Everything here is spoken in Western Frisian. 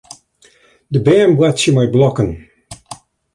De bern boartsje mei blokken.